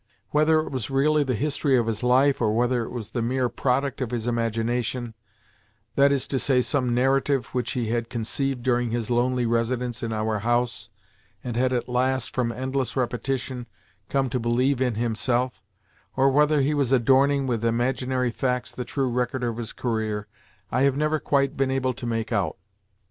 Whether it was really the history of his life, or whether it was the mere product of his imagination—that is to say, some narrative which he had conceived during his lonely residence in our house, and had at last, from endless repetition, come to believe in himself—or whether he was adorning with imaginary facts the true record of his career, I have never quite been able to make out.